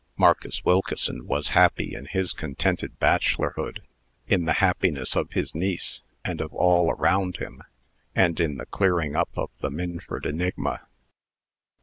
Marcus Wilkeson was happy in his contented bachelorhood, in the happiness of his niece and of all around him, and in the clearing up of the "Minford enigma."